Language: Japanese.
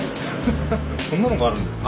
こんなのがあるんですね。